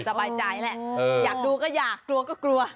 สบายใจแหละอยากดูก็อยากกลัวก็กลัว